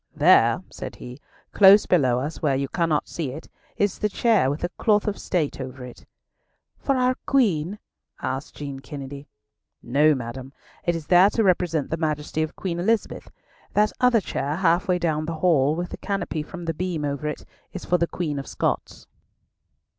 "There," said he, "close below us, where you cannot see it, is the chair with a cloth of state over it." "For our Queen?" asked Jean Kennedy. "No, madam. It is there to represent the Majesty of Queen Elizabeth. That other chair, half way down the hall, with the canopy from the beam over it, is for the Queen of Scots."